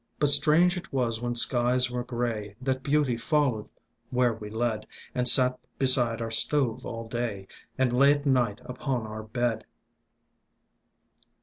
But strange it was when skies were grey That Beauty followed where we led, And sat beside our stove all day, And lay at night upon our bed.